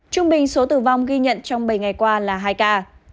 trung bình số tử vong ghi nhận trong bảy ngày qua là hai ca